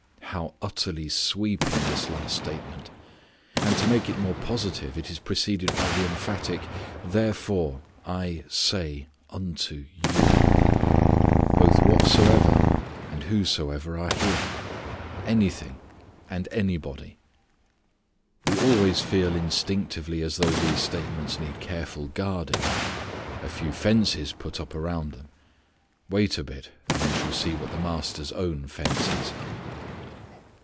How utterly sweeping this last statement! And to make it more positive it is preceded by the emphatic "therefore I say unto you." Both whatsoever and whosoever are here. Anything, and anybody. We always feel instinctively as though these statements need careful guarding: a few fences put up around them. Wait a bit and we shall see what the Master's own fence is.